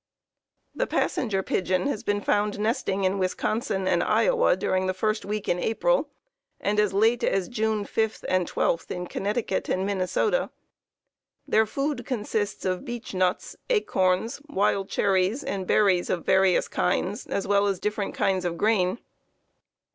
The Passenger Pigeon has been found nesting in Wisconsin and Iowa during the first week in April, and as late as June 5 and 12 in Connecticut and Minnesota. Their food consists of beech nuts, acorns, wild cherries, and berries of various kinds, as well as different kinds of grain.